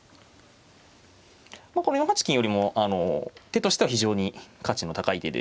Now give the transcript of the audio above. この４八金寄も手としては非常に価値の高い手で。